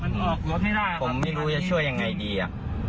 มันออกรถไม่ได้ครับผมไม่รู้จะช่วยยังไงดีอ่ะ